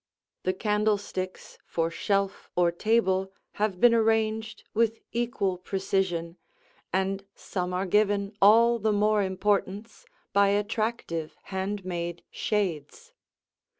The candlesticks for shelf or table have been arranged with equal precision, and some are given all the more importance by attractive hand made shades.